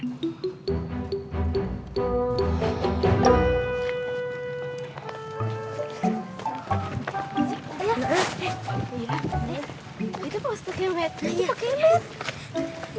itu postnya met